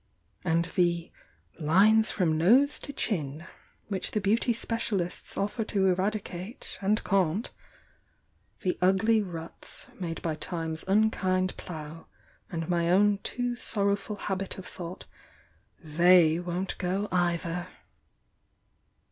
— and the 'lines from nose to chin' which the beauty specialists offer to eradicate and can't, — the ugly ruts made by Time's unkind plough and my own too sorrowful habit of thought, — they won't go, either!